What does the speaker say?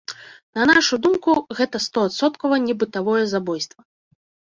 На нашу думку, гэта стоадсоткава не бытавое забойства.